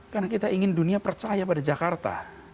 karena kita ingin dunia percaya pada jakarta